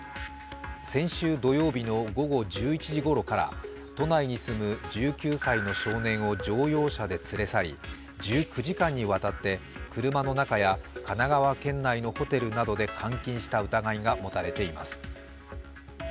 先週土曜日の午後１１時ごろから都内に住む１９歳の少年を乗用車で連れ去り１９時間にわたって車の中や神奈川県内のホテルなどで監禁した疑いが持たれています。